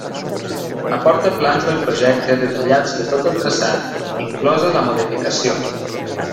Aporta plans del projecte detallats de tot el traçat, inclosa la modificació.